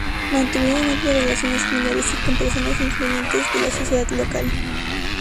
Mantuvieron amplias relaciones familiares y con personas influyentes de la sociedad local.